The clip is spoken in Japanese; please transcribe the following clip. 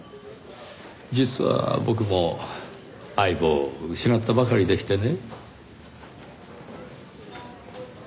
実は僕も相棒を失ったばかりでしてね。